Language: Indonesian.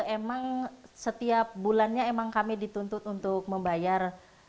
emang setiap bulannya emang kami dituntut untuk membayar